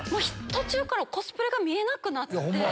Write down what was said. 途中からコスプレが見えなくなって。